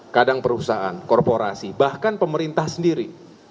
kadang perusahaan korporasi bahkan pemerintah sendiri